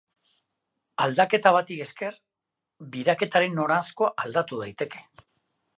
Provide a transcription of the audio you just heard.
Aldaketa bati esker, biraketaren noranzkoa aldatu daiteke.